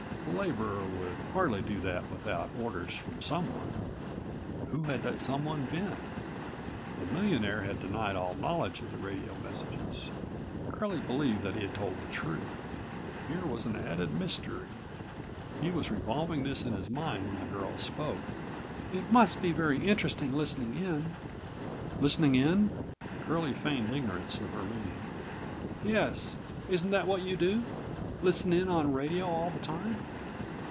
The laborer would hardly do that without orders from someone. Who had that someone been? The millionaire had denied all knowledge of the radiophone messages. Curlie believed that he had told the truth. Here was an added mystery. He was revolving this in his mind when the girl spoke: "It must be very interesting listening in." "Listening in?" Curlie feigned ignorance of her meaning. "Yes, isn't that what you do? Listen in on radio all the time?"